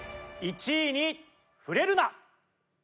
１位にふれるな！